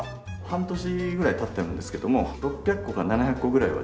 半年ぐらい経ってるんですけども６００個か７００個ぐらいは出てます。